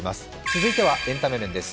続いてはエンタメ面です。